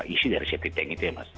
isi dari septic tank itu ya mas